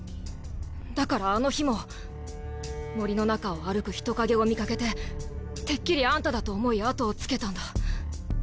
だからあの日も森の中を歩く人影を見かけててっきりあんただと思い後をつけたんだ。